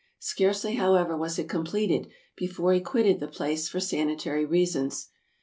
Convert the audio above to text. Scarcely, however, was it completed before he quitted the place for sanitary reasons.